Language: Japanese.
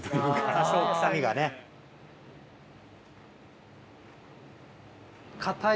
多少臭みがね。硬い。